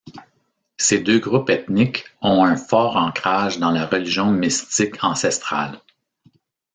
Ces deux groupes ethniques ont un fort ancrage dans la religion mystique ancestrale.